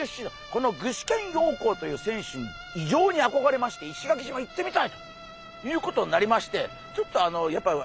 この具志堅用高という選手に異常にあこがれまして石垣島行ってみたいということになりましてちょっとやっぱり持ってきてもらおうかな。